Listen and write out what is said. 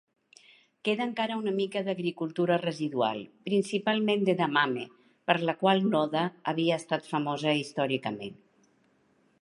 Queda encara una mica d'agricultura residual, principalment d'"edamame", per la qual Noda havia estat famosa històricament.